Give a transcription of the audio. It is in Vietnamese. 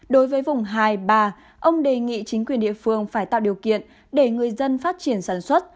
đối với vùng hai bà ông đề nghị chính quyền địa phương phải tạo điều kiện để người dân phát triển sản xuất